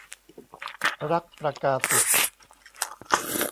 รักประกาศิต